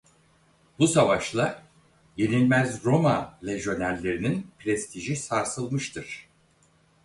Bu savaşla yenilmez Roma Lejyonerlerinin prestiji sarsılmıştır.